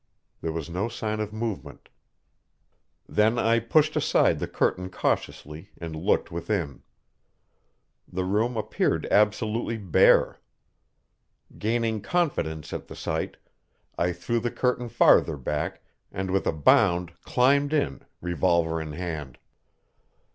There was no sign of movement. Then I pushed aside the curtain cautiously, and looked within. The room appeared absolutely bare. Gaining confidence at the sight, I threw the curtain farther back, and with a bound climbed in, revolver in hand.